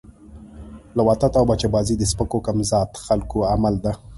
لواطت او بچه بازی د سپکو کم ذات خلکو عمل ده